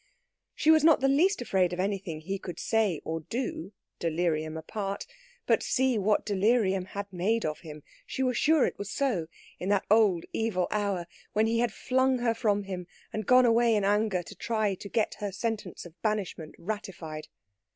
She was not the least afraid of anything he could say or do, delirium apart; but see what delirium had made of him she was sure it was so in that old evil hour when he had flung her from him and gone away in anger to try to get her sentence of banishment ratified.